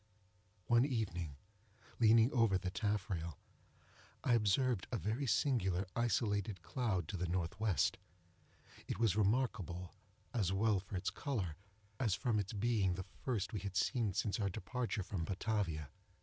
One evening, leaning over the taffrail, I observed a very singular, isolated cloud, to the N.W. It was remarkable, as well for its color, as from its being the first we had seen since our departure from Batavia.